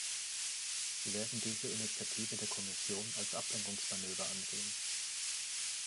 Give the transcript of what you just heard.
Sie werden diese Initiative der Kommission als Ablenkungsmanöver ansehen.